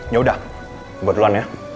ya udah gue duluan ya